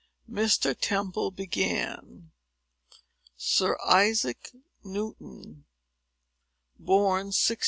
So Mr. Temple began. SIR ISAAC NEWTON BORN 1642.